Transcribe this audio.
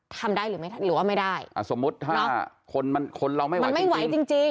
ทำได้หรือไม่ทำหรือว่าไม่ได้อ่าสมมติถ้าคนมันคนเราไม่ไหวจริงจริง